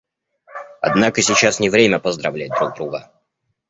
Однако сейчас не время поздравлять друг друга.